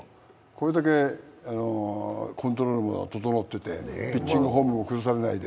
これだけコントロールも整っててピッチングフォームも崩されないで。